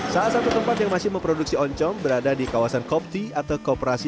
salah satu tempat yang masih memproduksi oncom berada di kawasan kopti atau kooperasi